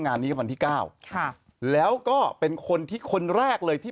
งานนี้วันที่เก้าค่ะแล้วก็เป็นคนที่คนแรกเลยที่